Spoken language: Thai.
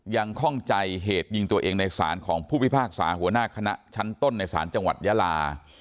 ข้องใจเหตุยิงตัวเองในศาลของผู้พิพากษาหัวหน้าคณะชั้นต้นในศาลจังหวัดยาลา